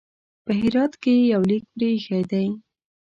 په هرات کې یو لیک پرې ایښی دی.